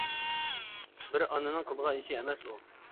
بىر ئانىنىڭ قىلىدىغان ئىشى ئەمەس ئۇ!